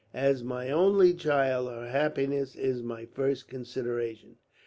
"As my only child, her happiness is my first consideration.